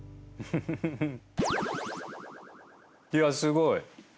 いやすごい。